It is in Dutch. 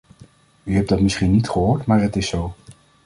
U hebt dat misschien niet gehoord, maar het is zo.